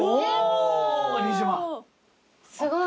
すごい。